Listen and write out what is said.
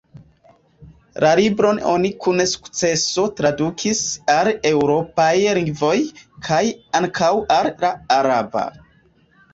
La libron oni kun sukceso tradukis al eŭropaj lingvoj, kaj ankaŭ al la araba.